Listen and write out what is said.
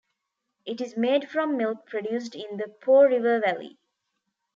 It is made from milk produced in the Po River valley.